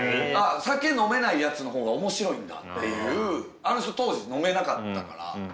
酒飲めないやつの方が面白いんだっていうあの人当時飲めなかったから。